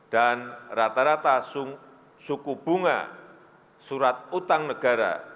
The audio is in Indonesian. dan rata rata suku bunga surat utang negara